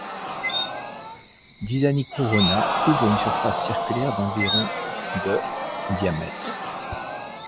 Disani Corona couvre une surface circulaire d'environ de diamètre.